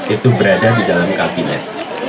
itu berada di dalam kabinet